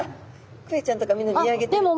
クエちゃんとかみんな見上げてる。